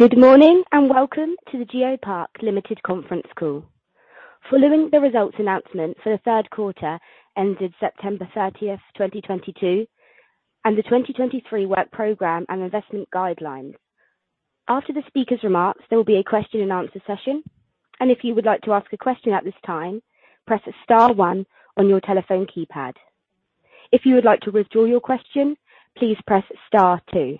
Good morning, and welcome to the GeoPark Limited conference call. Following the results announcement for the third quarter ended September 30th, 2022, and the 2023 work program and investment guidelines. After the speaker's remarks, there will be a question and answer session. If you would like to ask a question at this time, press star one on your telephone keypad. If you would like to withdraw your question, please press star two.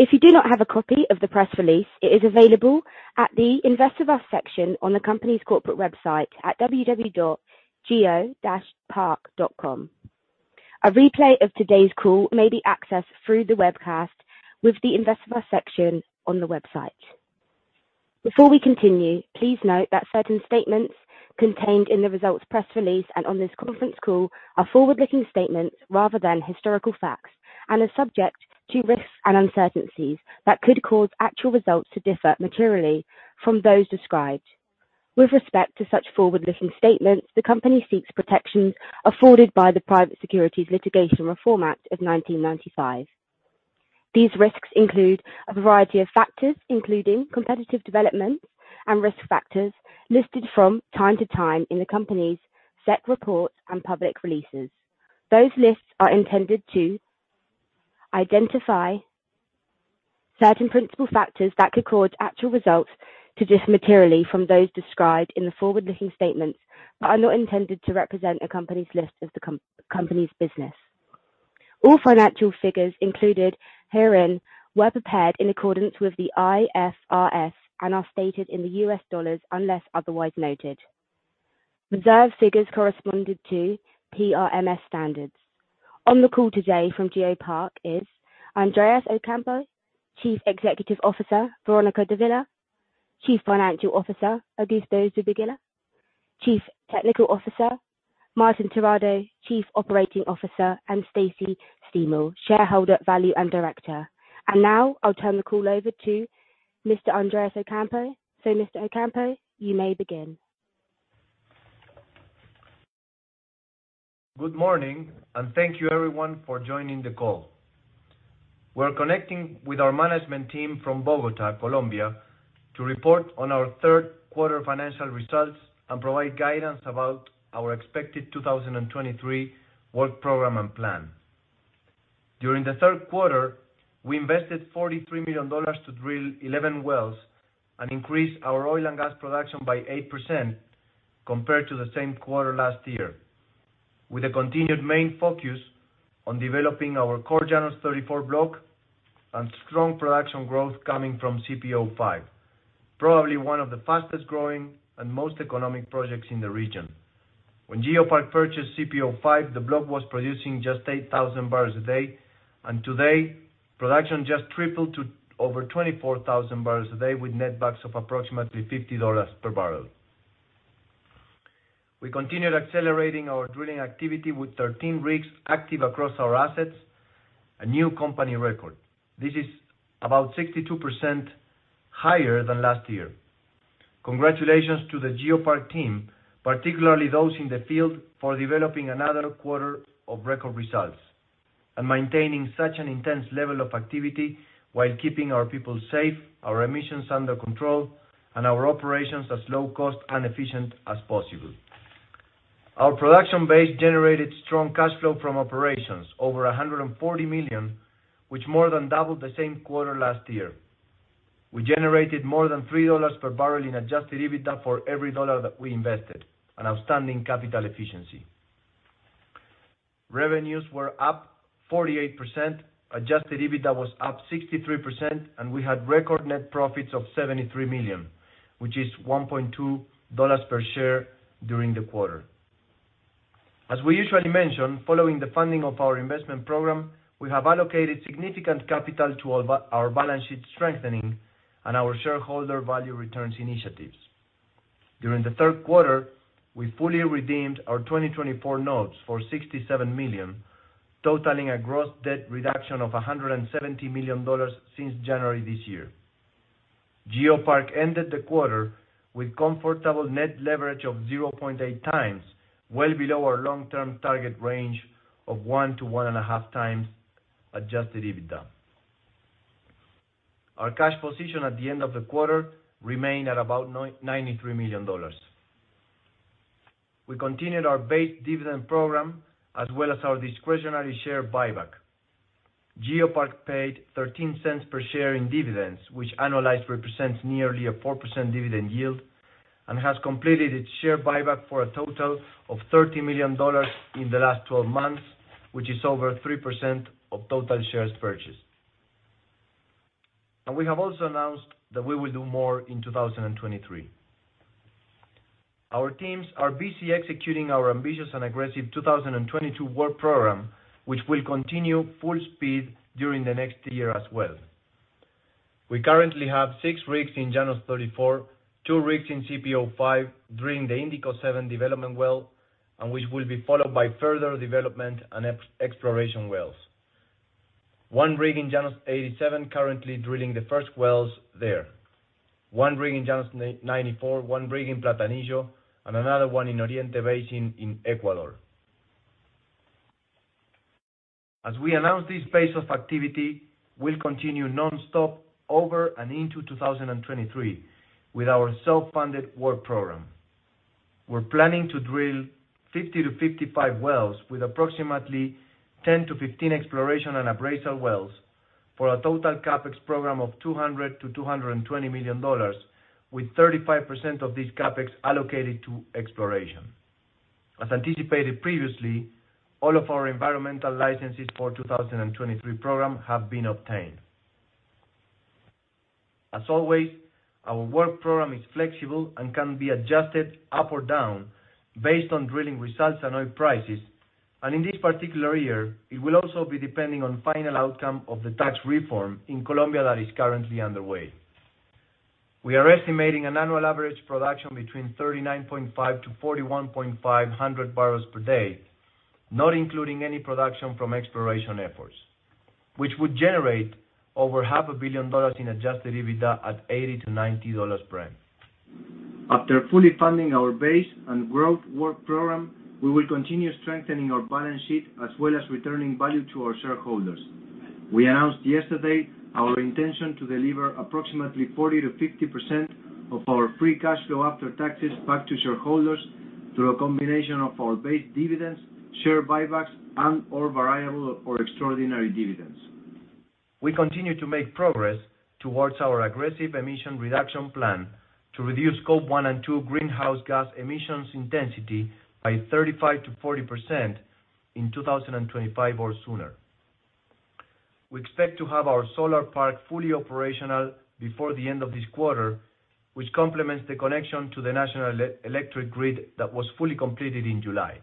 If you do not have a copy of the press release, it is available at the Invest With Us section on the company's corporate website at www.geopark.com. A replay of today's call may be accessed through the webcast with the Invest With Us section on the website. Before we continue, please note that certain statements contained in the results press release and on this conference call are forward-looking statements rather than historical facts, and are subject to risks and uncertainties that could cause actual results to differ materially from those described. With respect to such forward-looking statements, the company seeks protections afforded by the Private Securities Litigation Reform Act of 1995. These risks include a variety of factors, including competitive developments and risk factors listed from time to time in the company's SEC reports and public releases. Those lists are intended to identify certain principal factors that could cause actual results to differ materially from those described in the forward-looking statements, but are not intended to represent a company's list of the company's business. All financial figures included herein were prepared in accordance with the IFRS and are stated in U.S. dollars, unless otherwise noted. Reserve figures corresponded to PRMS standards. On the call today from GeoPark is Andrés Ocampo, Chief Executive Officer, Verónica Dávila, Chief Financial Officer, Augusto Zubillaga, Chief Technical Officer, Martín Terrado, Chief Operating Officer, and Stacy Steimel, Shareholder Value Director. Now I'll turn the call over to Mr. Andrés Ocampo. Mr. Ocampo, you may begin. Good morning, and thank you everyone for joining the call. We're connecting with our management team from Bogotá, Colombia, to report on our third quarter financial results and provide guidance about our expected 2023 work program and plan. During the third quarter, we invested $43 million to drill 11 wells and increase our oil and gas production by 8% compared to the same quarter last year. With a continued main focus on developing our core Llanos 34 block and strong production growth coming from CPO-5, probably one of the fastest growing and most economic projects in the region. When GeoPark purchased CPO-5, the block was producing just 8,000 barrels a day, and today, production just tripled to over 24,000 barrels a day with netbacks of approximately $50 per barrel. We continued accelerating our drilling activity with 13 rigs active across our assets, a new company record. This is about 62% higher than last year. Congratulations to the GeoPark team, particularly those in the field, for developing another quarter of record results and maintaining such an intense level of activity while keeping our people safe, our emissions under control, and our operations as low cost and efficient as possible. Our production base generated strong cash flow from operations, over $140 million, which more than doubled the same quarter last year. We generated more than $3 per barrel in Adjusted EBITDA for every dollar that we invested, an outstanding capital efficiency. Revenues were up 48%, Adjusted EBITDA was up 63%, and we had record net profits of $73 million, which is $1.2 per share during the quarter. As we usually mention, following the funding of our investment program, we have allocated significant capital to our our balance sheet strengthening and our shareholder value returns initiatives. During the third quarter, we fully redeemed our 2024 notes for $67 million, totaling a gross debt reduction of $170 million since January this year. GeoPark ended the quarter with comfortable net leverage of 0.8x, well below our long-term target range of one to 1.5x Adjusted EBITDA. Our cash position at the end of the quarter remained at about $93 million. We continued our base dividend program as well as our discretionary share buyback. GeoPark paid $0.13 per share in dividends, which annualized represents nearly a 4% dividend yield, and has completed its share buyback for a total of $30 million in the last 12 months, which is over 3% of total shares purchased. We have also announced that we will do more in 2023. Our teams are busy executing our ambitious and aggressive 2022 work program, which will continue full speed during the next year as well. We currently have six rigs in Llanos 34, two rigs in CPO-5, drilling the Indico 7 development well, and which will be followed by further development and exploration wells. One rig in Llanos 87 currently drilling the first wells there. One rig in Llanos 94, one rig in Platanillo, and another one in Oriente Basin in Ecuador. As we announce this pace of activity will continue nonstop over and into 2023 with our self-funded work program. We're planning to drill 50-55 wells with approximately 10 to 15 exploration and appraisal wells for a total CapEx program of $200-$220 million, with 35% of this CapEx allocated to exploration. As anticipated previously, all of our environmental licenses for 2023 program have been obtained. As always, our work program is flexible and can be adjusted up or down based on drilling results and oil prices. In this particular year, it will also be depending on final outcome of the tax reform in Colombia that is currently underway. We are estimating an annual average production between 39.5 to 41.5 thousand barrels per day, not including any production from exploration efforts, which would generate over half a billion dollars in Adjusted EBITDA at $80-$90 per barrel. After fully funding our base and growth work program, we will continue strengthening our balance sheet as well as returning value to our shareholders. We announced yesterday our intention to deliver approximately 40%-50% of our free cash flow after taxes back to shareholders through a combination of our base dividends, share buybacks, and our variable or extraordinary dividends. We continue to make progress towards our aggressive emission reduction plan to reduce Scope one and two greenhouse gas emissions intensity by 35%-40% in 2025 or sooner. We expect to have our solar park fully operational before the end of this quarter, which complements the connection to the national electric grid that was fully completed in July.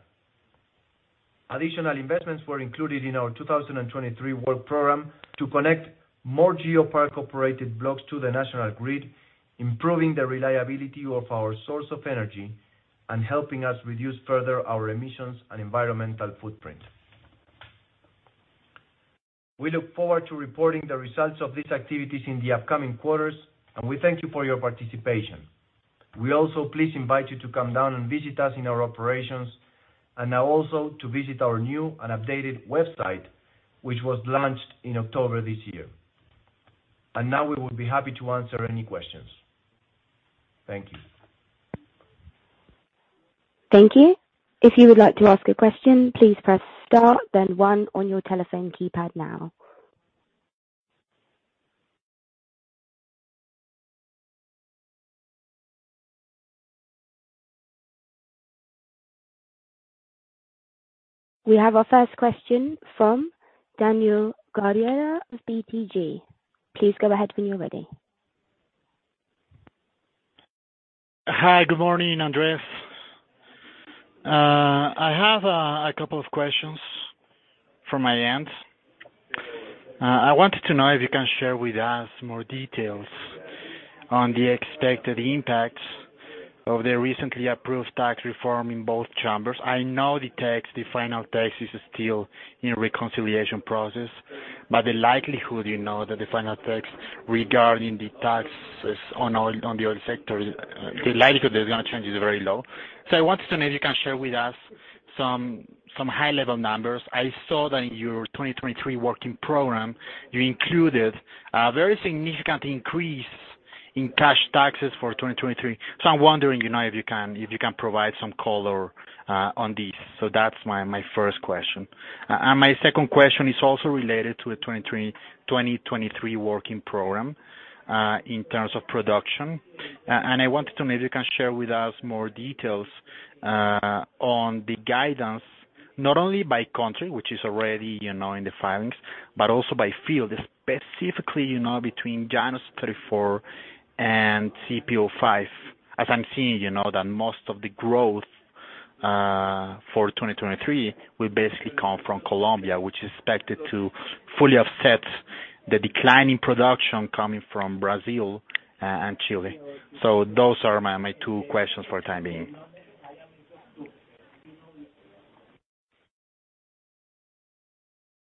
Additional investments were included in our 2023 work program to connect more GeoPark operated blocks to the national grid, improving the reliability of our source of energy and helping us reduce further our emissions and environmental footprint. We look forward to reporting the results of these activities in the upcoming quarters, and we thank you for your participation. We also please invite you to come down and visit us in our operations and now also to visit our new and updated website, which was launched in October this year. Now we will be happy to answer any questions. Thank you. Thank you. If you would like to ask a question, please press star then one on your telephone keypad now. We have our first question from Daniel Guardiola of BTG Pactual. Please go ahead when you're ready. Hi. Good morning, Andrés. I have a couple of questions from my end. I wanted to know if you can share with us more details on the expected impacts of the recently approved tax reform in both chambers. I know the tax, the final tax is still in reconciliation process, but the likelihood, you know, that the final tax regarding the taxes on the oil sector is gonna change, is very low. I wanted to know if you can share with us some high-level numbers. I saw that in your 2023 working program, you included a very significant increase in cash taxes for 2023. I'm wondering, you know, if you can provide some color on this. That's my first question. My second question is also related to the 2023 work program, in terms of production. I wanted to know if you can share with us more details on the guidance, not only by country, which is already, you know, in the filings, but also by field, specifically, you know, between Llanos 34 and CPO-5. As I'm seeing, you know, that most of the growth for 2023 will basically come from Colombia, which is expected to fully offset the decline in production coming from Brazil and Chile. Those are my two questions for the time being.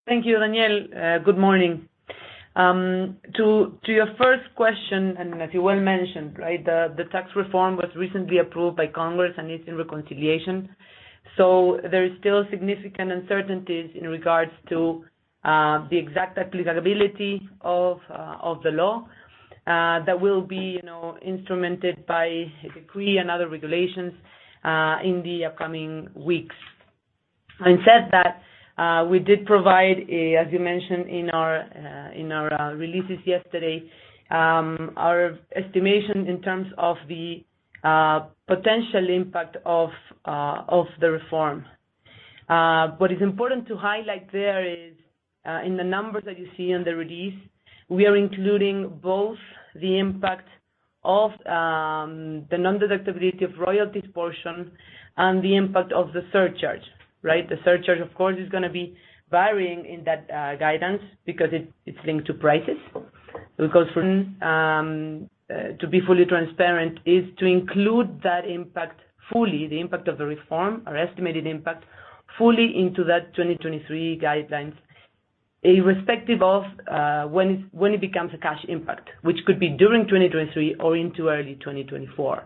Thank you, Daniel. Good morning. To your first question, as you well mentioned, right, the tax reform was recently approved by Congress, and it's in reconciliation. There is still significant uncertainties in regards to the exact applicability of the law that will be, you know, instrumented by a decree and other regulations in the upcoming weeks. Having said that, we did provide, as you mentioned in our releases yesterday, our estimation in terms of the potential impact of the reform. What is important to highlight there is, in the numbers that you see in the release, we are including both the impact of the non-deductibility of royalties portion and the impact of the surcharge, right? The surcharge, of course, is gonna be varying in that guidance because it's linked to prices. For us, to be fully transparent, is to include that impact fully, the impact of the reform, our estimated impact, fully into that 2023 guidance, irrespective of when it becomes a cash impact, which could be during 2023 or into early 2024.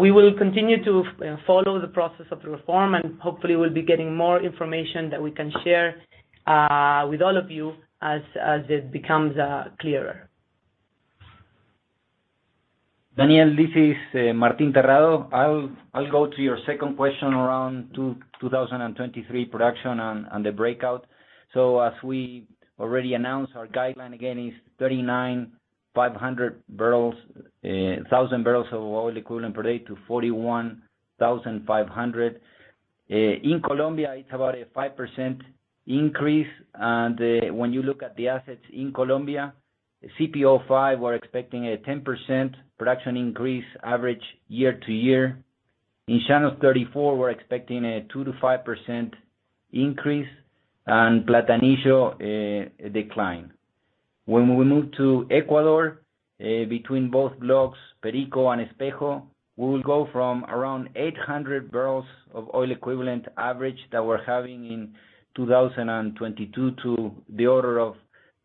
We will continue to follow the process of the reform, and hopefully we'll be getting more information that we can share with all of you as it becomes clearer. Daniel, this is Martín Terrado. I'll go to your second question around 2023 production and the breakout. As we already announced, our guideline again is 39,500 barrels of oil equivalent per day to 41,500. In Colombia, it's about a 5% increase. When you look at the assets in Colombia, CPO-5, we're expecting a 10% production increase average year-over-year. In Llanos 34, we're expecting a 2%-5% increase, and Platanillo, a decline. When we move to Ecuador, between both blocks, Perico and Espejo, we will go from around 800 barrels of oil equivalent average that we're having in 2022 to the order of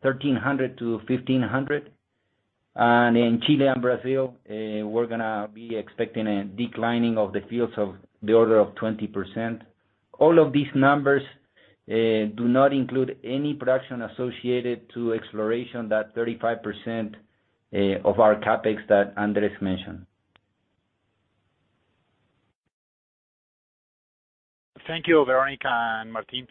1,300-1,500. In Chile and Brazil, we're gonna be expecting a declining of the fields of the order of 20%. All of these numbers do not include any production associated to exploration, that 35% of our CapEx that Andrés mentioned. Thank you, Verónica and Martín.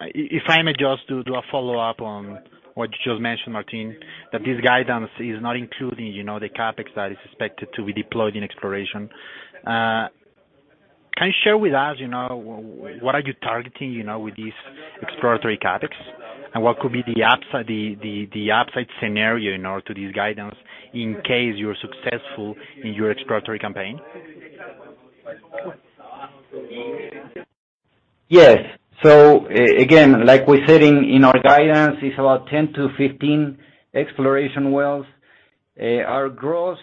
If I may just do a follow-up on what you just mentioned, Martín, that this guidance is not including, you know, the CapEx that is expected to be deployed in exploration. Can you share with us, you know, what are you targeting, you know, with this exploratory CapEx? What could be the upside, the upside scenario, you know, to this guidance in case you're successful in your exploratory campaign? Yes. Again, like we said in our guidance, it's about 10 to 15 exploration wells. Our gross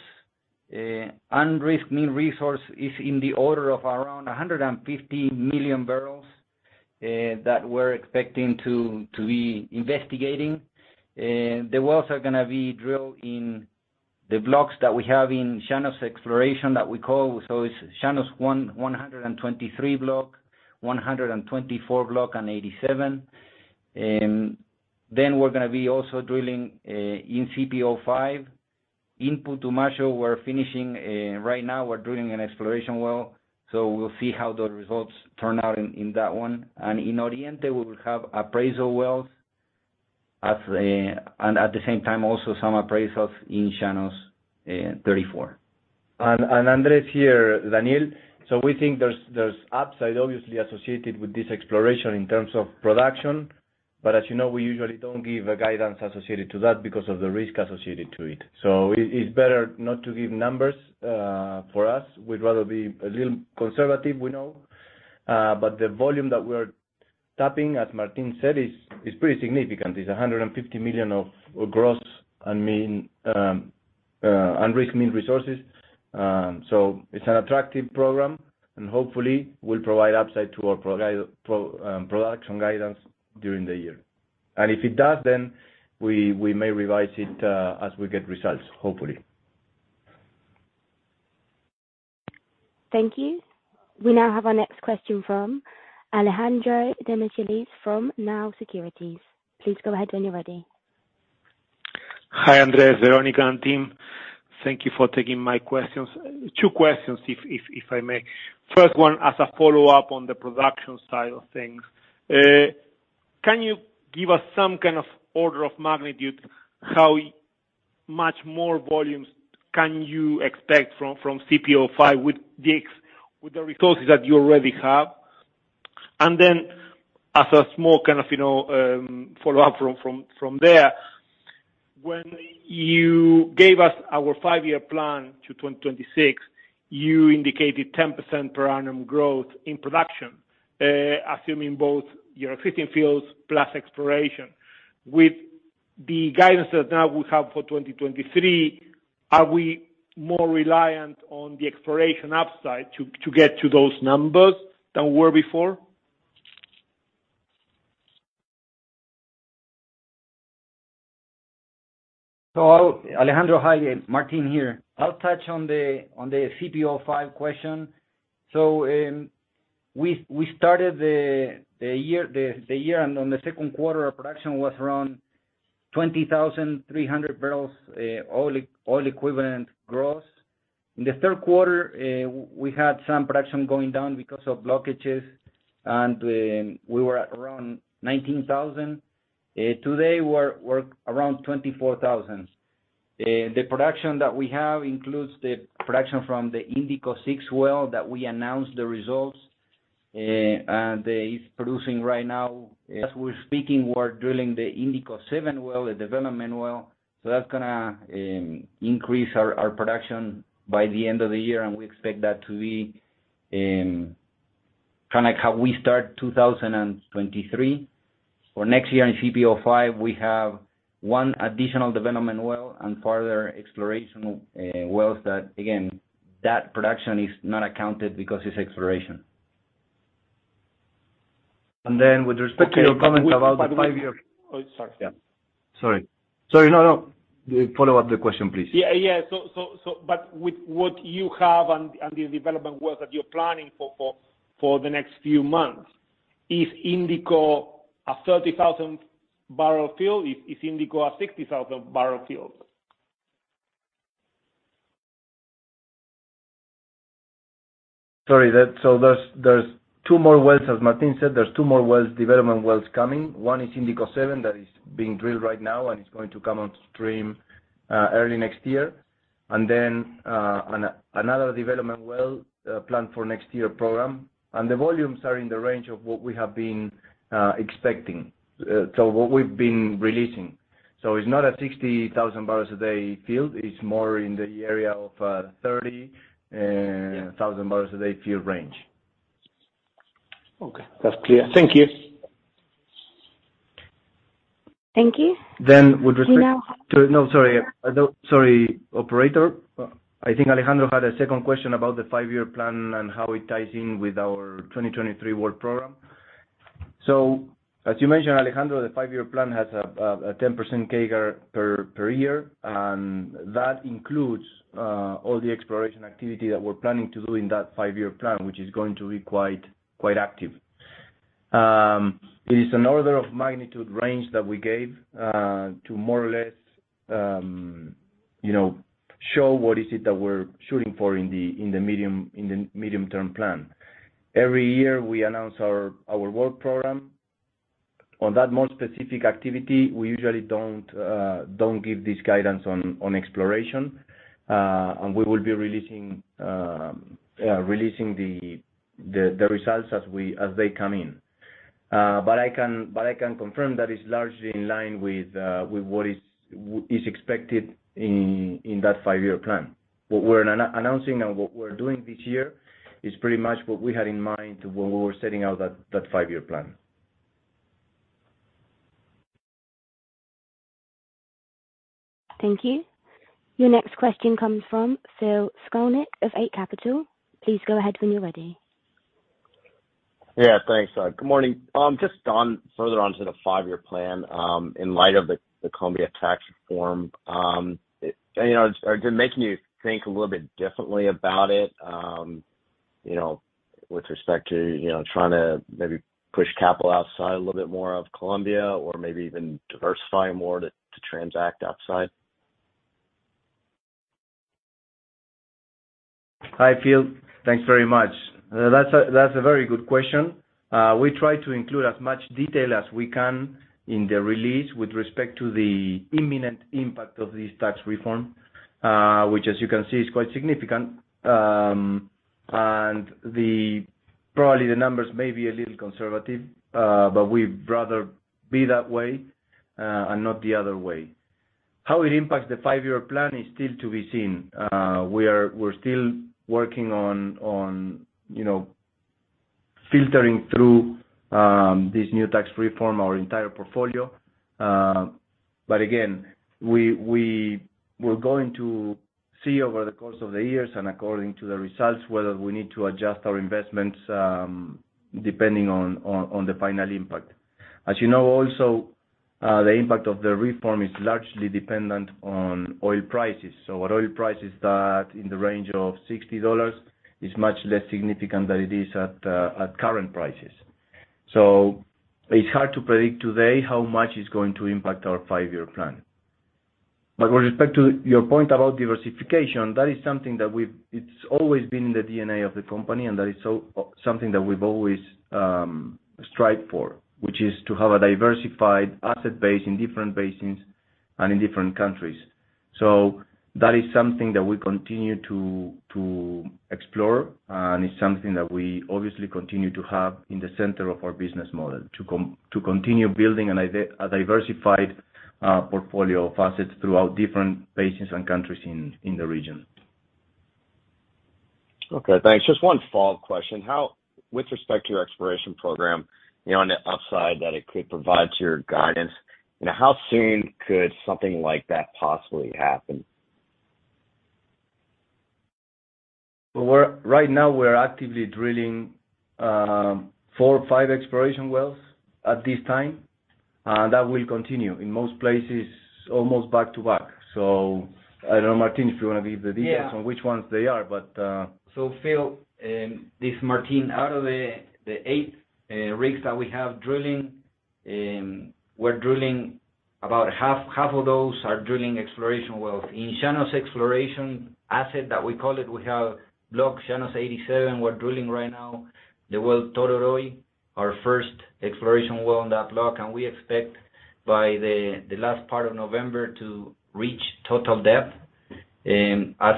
unrisked mean resource is in the order of around 150 million barrels that we're expecting to be investigating. The wells are gonna be drilled in the blocks that we have in Llanos exploration that we call. It's Llanos one, 123 block, 124 block, and 87. Then we're gonna be also drilling in CPO-5. In Putumayo, we're finishing. Right now we're drilling an exploration well, so we'll see how the results turn out in that one. In Oriente, we will have appraisal wells as well, and at the same time, also some appraisals in Llanos 34. Andrés here, Daniel. We think there's upside obviously associated with this exploration in terms of production. As you know, we usually don't give a guidance associated to that because of the risk associated to it. It's better not to give numbers for us. We'd rather be a little conservative, we know. The volume that we're tapping, as Martín said, is pretty significant. It's 150 million of gross and mean unrisked mean resources. It's an attractive program, and hopefully will provide upside to our production guidance during the year. If it does, then we may revise it as we get results, hopefully. Thank you. We now have our next question from Alejandro Demichelis from Nau Securities. Please go ahead when you're ready. Hi, Andrés, Verónica, and team. Thank you for taking my questions. Two questions if I may. First one, as a follow-up on the production side of things. Can you give us some kind of order of magnitude, how much more volumes can you expect from CPO-5 with the resources that you already have? And then as a small kind of, you know, follow-up from there, when you gave us our five-year plan to 2026, you indicated 10% per annum growth in production, assuming both your existing fields plus exploration. With the guidance that now we have for 2023, are we more reliant on the exploration upside to get to those numbers than we were before? Alejandro, hi. Martín here. I'll touch on the CPO-5 question. We started the year and on the second quarter, our production was around 20,300 barrels of oil equivalent gross. In the third quarter, we had some production going down because of blockages, and we were at around 19,000. Today we're around 24,000. The production that we have includes the production from the Indico-six well that we announced the results, and that is producing right now. As we're speaking, we're drilling the Indico-seven well, the development well. That's gonna increase our production by the end of the year, and we expect that to be kind of how we start 2023. For next year in CPO-5, we have one additional development well and further exploration wells that, again, that production is not accounted because it's exploration. With respect to your comments about the five-year. Okay. By the way. Oh, sorry. Yeah. Sorry. No. Follow up the question, please. Yeah. With what you have and the development work that you're planning for the next few months, is Indico a 30,000-barrel field? Is Indico a 60,000-barrel field? There's two more wells. As Martín said, there's two more wells, development wells coming. One is Indico 7 that is being drilled right now, and it's going to come on stream early next year. Then another development well planned for next year program. The volumes are in the range of what we have been expecting, so what we've been releasing. It's not a 60,000 barrels a day field. It's more in the area of 30,000 barrels a day field range. Okay, that's clear. Thank you. Thank you. Then with respect to- We now have- No, sorry. Sorry, operator. I think Alejandro had a second question about the five-year plan and how it ties in with our 2023 work program. As you mentioned, Alejandro, the five-year plan has a 10% CAGR per year, and that includes all the exploration activity that we're planning to do in that five-year plan, which is going to be quite active. It is an order of magnitude range that we gave to more or less, you know, show what is it that we're shooting for in the medium-term plan. Every year, we announce our work program. On that more specific activity, we usually don't give this guidance on exploration. We will be releasing the results as they come in. I can confirm that it's largely in line with what is expected in that five-year plan. What we're announcing and what we're doing this year is pretty much what we had in mind when we were setting out that five-year plan. Thank you. Your next question comes from Phil Skolnick of Eight Capital. Please go ahead when you're ready. Yeah, thanks. Good morning. Just on further onto the five-year plan, in light of the Colombia tax reform, you know, did it make you think a little bit differently about it, you know, with respect to, you know, trying to maybe push capital outside a little bit more of Colombia or maybe even diversifying more to transact outside? Hi, Phil. Thanks very much. That's a very good question. We try to include as much detail as we can in the release with respect to the imminent impact of this tax reform, which as you can see, is quite significant. Probably the numbers may be a little conservative, but we'd rather be that way, and not the other way. How it impacts the five-year plan is still to be seen. We're still working on you know, filtering through this new tax reform, our entire portfolio. Again, we're going to see over the course of the years and according to the results, whether we need to adjust our investments, depending on the final impact. As you know also, the impact of the reform is largely dependent on oil prices. At oil prices that are in the range of $60 is much less significant than it is at current prices. It's hard to predict today how much it's going to impact our five-year plan. With respect to your point about diversification, that is something that it's always been in the DNA of the company, and that is something that we've always strived for, which is to have a diversified asset base in different basins and in different countries. That is something that we continue to explore, and it's something that we obviously continue to have in the center of our business model, to continue building a diversified portfolio of assets throughout different basins and countries in the region. Okay, thanks. Just one follow-up question. With respect to your exploration program, you know, on the upside that it could provide to your guidance, you know, how soon could something like that possibly happen? Right now, we're actively drilling four or five exploration wells at this time that will continue in most places almost back to back. I don't know, Martín, if you wanna give the details. Yeah On which ones they are, but. Phil, this Martin. Out of the eight rigs that we have drilling, we're drilling about half of those are drilling exploration wells. In Llanos exploration asset that we call it, we have Block Llanos 87. We're drilling right now the well Tororoi, our first exploration well on that block, and we expect by the last part of November to reach total depth. As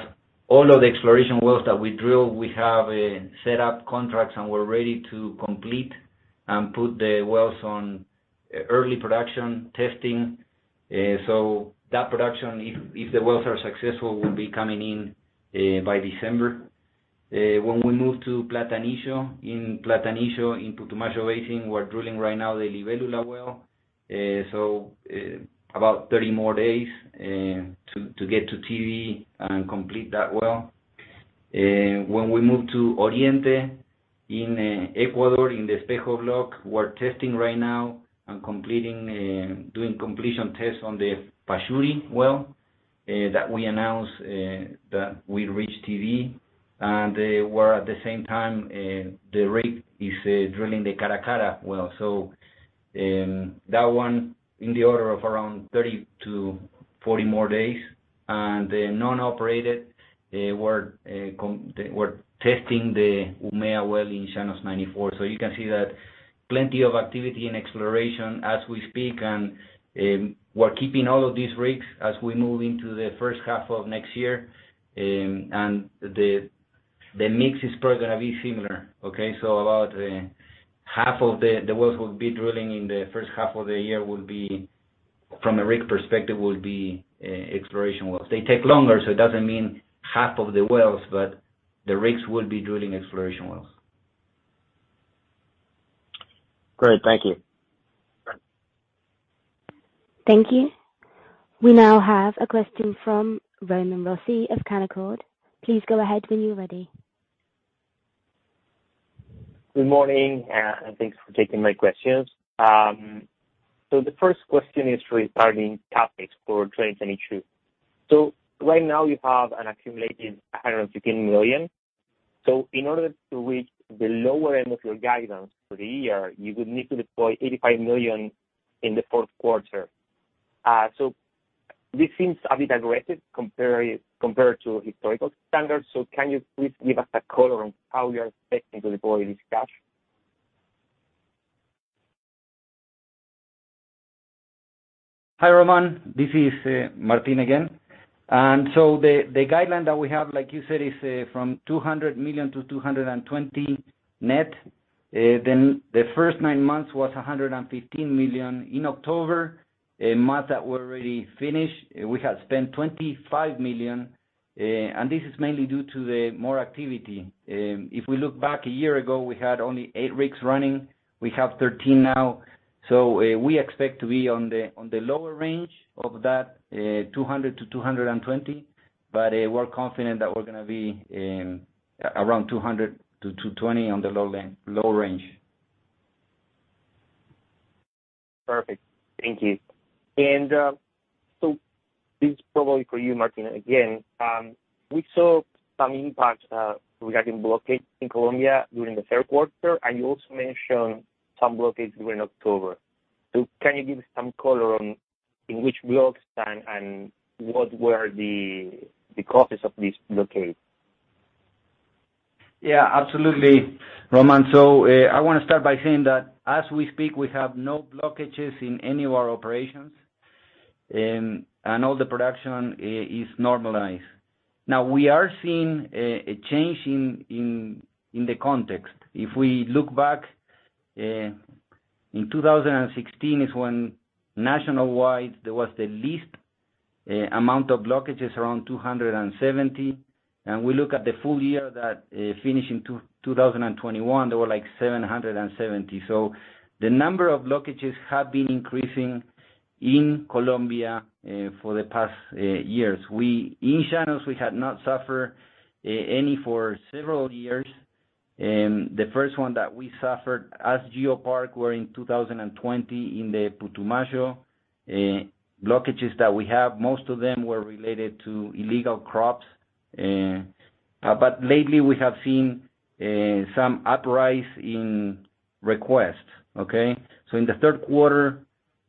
all of the exploration wells that we drill, we have set up contracts, and we're ready to complete and put the wells on early production testing. So that production if the wells are successful, will be coming in by December. When we move to Platanillo. In Platanillo, in Putumayo Basin, we're drilling right now the Libelula well. About 30 more days to get to TV and complete that well. When we move to Oriente in Ecuador, in the Espejo block, we're testing right now and completing, doing completion tests on the Pachuri well that we announced that we reached TV. They were at the same time the rig is drilling the Caracara well. That one in the order of around 30-40 more days. The non-operated, they were testing the Umea well in Llanos 94. You can see that plenty of activity and exploration as we speak. We're keeping all of these rigs as we move into the first half of next year. The mix is probably gonna be similar. Okay? About half of the wells will be drilling in the first half of the year, from a rig perspective, exploration wells. They take longer, so it doesn't mean half of the wells, but the rigs will be drilling exploration wells. Great. Thank you. Thank you. We now have a question from Román Rossi of Canaccord. Please go ahead when you're ready. Good morning, and thanks for taking my questions. The first question is regarding CapEx for 2022. Right now you have an accumulated $115 million. In order to reach the lower end of your guidance for the year, you would need to deploy $85 million in the fourth quarter. This seems a bit aggressive compared to historical standards. Can you please give us a color on how we are expecting to deploy this cash? Hi, Román. This is Martín again. The guideline that we have, like you said, is from $200 million to $220 million net. Then the first nine months was $115 million. In October, a month that we're already finished, we had spent $25 million. And this is mainly due to the more activity. If we look back a year ago, we had only 8 rigs running. We have 13 now. We expect to be on the lower range of that $200-$220. We're confident that we're gonna be around $200-$220 on the low range. Perfect. Thank you. This is probably for you, Martín, again. We saw some impacts regarding blockades in Colombia during the third quarter, and you also mentioned some blockades during October. Can you give some color on which blocks and what were the causes of these blockades? Yeah, absolutely, Román. I want to start by saying that as we speak, we have no blockages in any of our operations, and all the production is normalized. Now, we are seeing a change in the context. If we look back, in 2016 is when nationwide, there was the least amount of blockages around 270. We look at the full year that finished in 2021, there were like 770. The number of blockages have been increasing in Colombia for the past years. In Llanos, we had not suffered any for several years. The first one that we suffered as GeoPark were in 2020 in the Putumayo. Blockages that we have, most of them were related to illegal crops. Lately, we have seen some uprise in requests. Okay? In the third quarter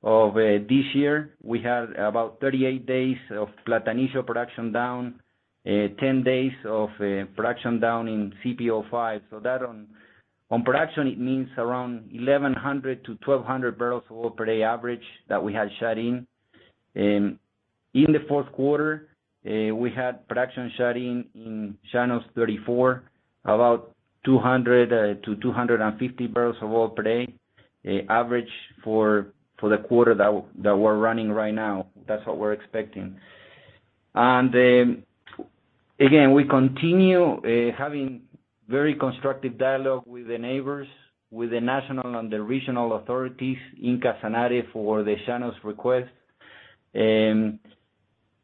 of this year, we had about 38 days of Platanillo production down, 10 days of production down in CPO-5. So that on production it means around 1,100-1,200 barrels of oil per day average that we had shut in. In the fourth quarter, we had production shutting in Llanos 34, about 200-250 barrels of oil per day average for the quarter that we're running right now. That's what we're expecting. Again, we continue having very constructive dialogue with the neighbors, with the national and the regional authorities in Casanare for the Llanos request.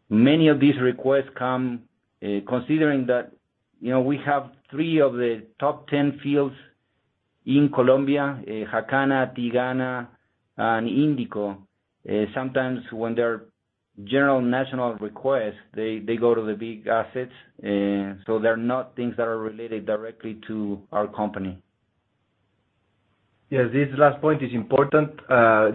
Many of these requests come, considering that, you know, we have three of the top 10 fields in Colombia, Jacana, Tigana, and Indico. Sometimes when there are general national requests, they go to the big assets. They're not things that are related directly to our company. Yes, this last point is important.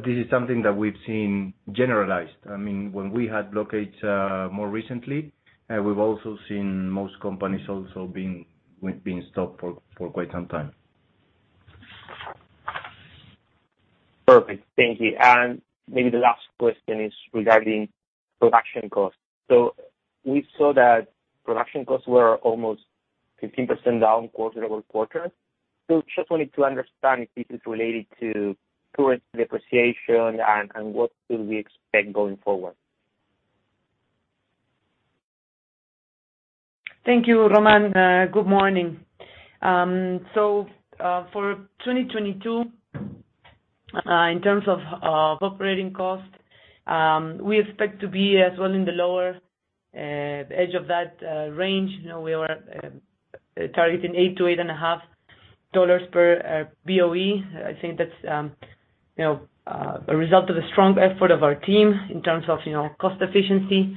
This is something that we've seen generalized. I mean, when we had blockades, more recently, we've also seen most companies also being stopped for quite some time. Perfect. Thank you. Maybe the last question is regarding production costs. We saw that production costs were almost 15% down quarter-over-quarter. Just wanted to understand if this is related to current depreciation and what should we expect going forward? Thank you, Román. Good morning. For 2022 in terms of operating cost, we expect to be as well in the lower edge of that range. You know, we were targeting $8-$8.5 per BOE. I think that's you know a result of the strong effort of our team in terms of you know cost efficiency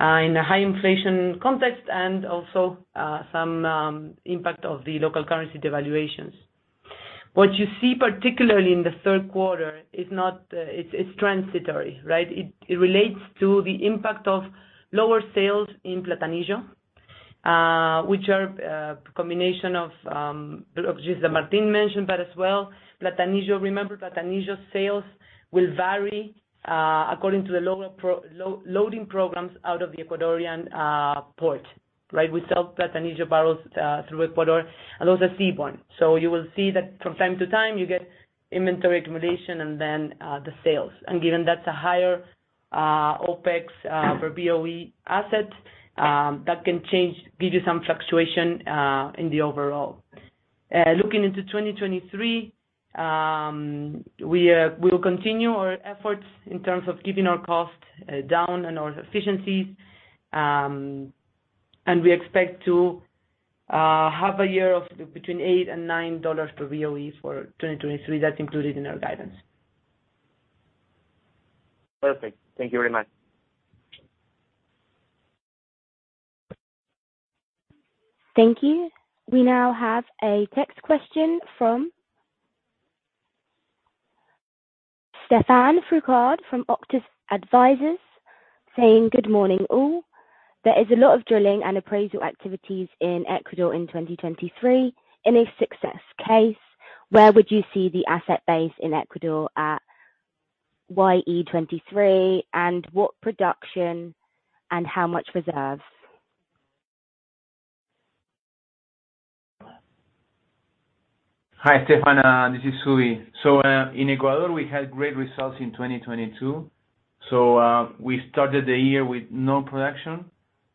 in a high inflation context and also some impact of the local currency devaluations. What you see particularly in the third quarter is not. It's transitory, right? It relates to the impact of lower sales in Platanillo, which are a combination of which Martín mentioned, but as well Platanillo. Remember Platanillo sales will vary according to the lower loading programs out of the Ecuadorian port, right? We sell Platanillo barrels through Ecuador and those are C1. You will see that from time to time you get inventory accumulation and then the sales. Given that's a higher OPEX for BOE assets, that can change, give you some fluctuation in the overall. Looking into 2023, we will continue our efforts in terms of keeping our costs down and our efficiencies, and we expect to have a year of between $8 and $9 per BOE for 2023. That's included in our guidance. Perfect. Thank you very much. Thank you. We now have a text question from Stephane Foucaud from Auctus Advisors saying, "Good morning, all. There is a lot of drilling and appraisal activities in Ecuador in 2023. In a success case, where would you see the asset base in Ecuador at YE 2023, and what production and how much reserves?" Hi, Stephane. This is Zubi. In Ecuador we had great results in 2022. We started the year with no production,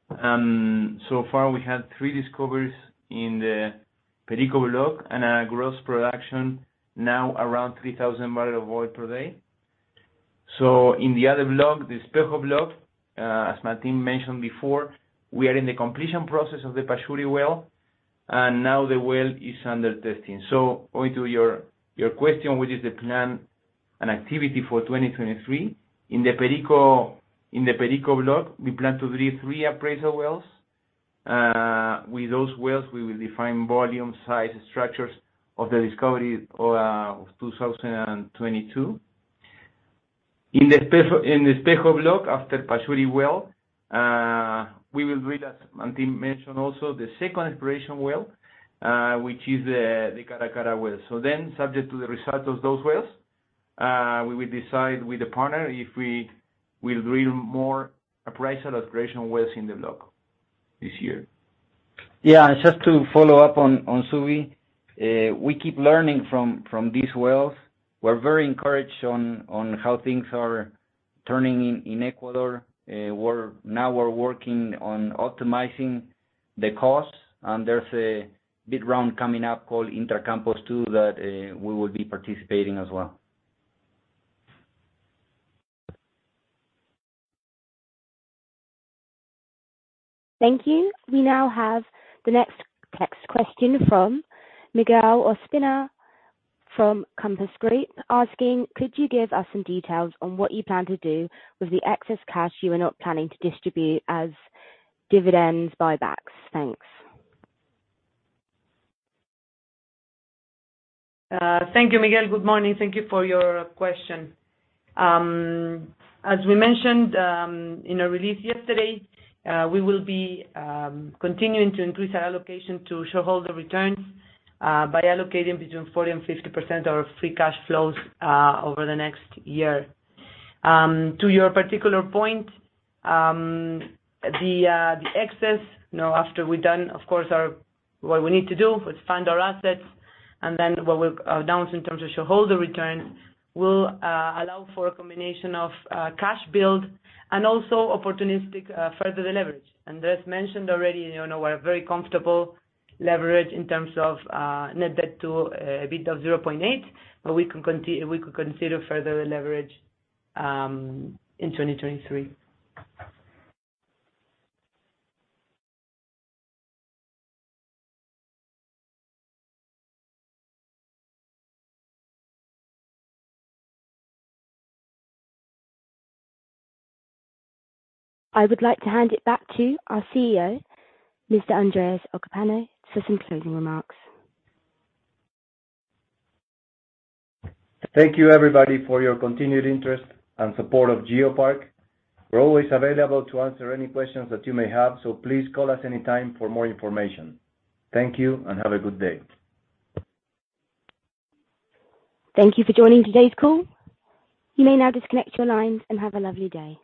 and so far we had three discoveries in the Perico block and a gross production now around 3,000 barrels of oil per day. In the other block, the Espejo block, as Martín Terrado mentioned before, we are in the completion process of the Pachuri well, and now the well is under testing. Going to your question, which is the plan and activity for 2023. In the Perico block, we plan to drill 3 appraisal wells. With those wells we will define volume, size, structures of the discovery of 2022. In the Espejo, in the Espejo block after Pachuri well, we will drill, as Martín mentioned also, the second exploration well, which is the Caracara well. Subject to the result of those wells, we will decide with the partner if we will drill more appraisal exploration wells in the block this year. Yeah. Just to follow up on Zubi, we keep learning from these wells. We're very encouraged on how things are turning in Ecuador. Now we're working on optimizing the costs, and there's a bid round coming up called Intracampos II that we will be participating as well. Thank you. We now have the next text question from Miguel Ospina from Compass Group asking, "Could you give us some details on what you plan to do with the excess cash you are not planning to distribute as dividends or buybacks? Thanks." Thank you, Miguel. Good morning. Thank you for your question. As we mentioned in our release yesterday, we will be continuing to increase our allocation to shareholder returns by allocating between 40% and 50% of free cash flows over the next year. To your particular point, the excess, you know, after we're done, of course, with what we need to do to fund our assets and then what we'll announce in terms of shareholder returns will allow for a combination of cash build and also opportunistic further leverage. As mentioned already, you know, we're at a very comfortable leverage in terms of net debt to EBITDA of 0.8, but we could consider further leverage in 2023. I would like to hand it back to our CEO, Mr. Andrés Ocampo, for some closing remarks. Thank you, everybody, for your continued interest and support of GeoPark. We're always available to answer any questions that you may have, so please call us any time for more information. Thank you, and have a good day. Thank you for joining today's call. You may now disconnect your lines and have a lovely day.